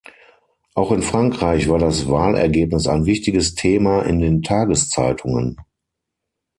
Auch in Frankreich war das Wahlergebnis ein wichtiges Thema in den Tageszeitungen.